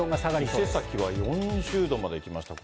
伊勢崎は４０度までいきましたね。